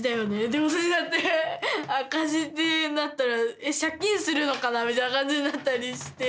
でもそれだって赤字ってなったらえっ借金するのかなみたいな感じになったりして。